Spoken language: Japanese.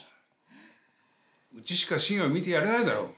うちしか進を見てやれないだろ。